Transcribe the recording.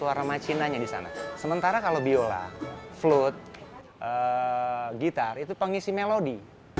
warna macinanya di sana sementara kalau biola flut gitar itu pengisi melodi